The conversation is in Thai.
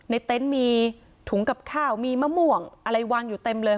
เต็นต์มีถุงกับข้าวมีมะม่วงอะไรวางอยู่เต็มเลย